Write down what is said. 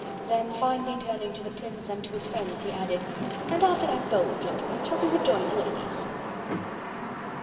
Then finally turning to the Prince and to his friends, he added: "And after that bowl, gentlemen, shall we rejoin the ladies?"